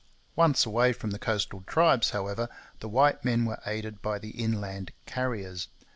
Once away from the coastal tribes, however, the white men were aided by the inland Carriers.